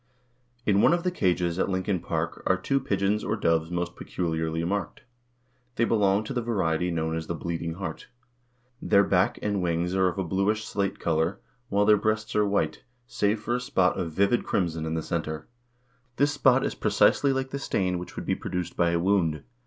In one of the cages at Lincoln Park are two pigeons or doves most peculiarly marked. They belong to the variety known as the "Bleeding Heart." Their backs and wings are of a bluish slate color, while their breasts are white, save for a spot of vivid crimson in the center. This spot is precisely like the stain which would be produced by a wound.